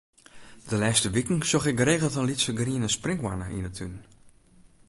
De lêste wiken sjoch ik geregeld in lytse griene sprinkhoanne yn 'e tún.